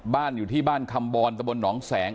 อยู่ที่บ้านคำบรตะบนหนองแสง